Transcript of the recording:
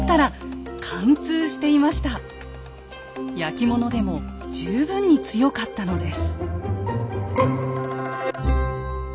焼き物でも十分に強かったのです。